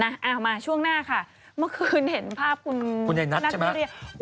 เอามาช่วงหน้าค่ะเมื่อคืนเห็นภาพคุณคุณใหญ่นัทใช่ไหม